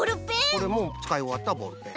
これもつかいおわったボールペン。